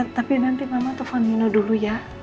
tapi nanti mama telepon nino dulu ya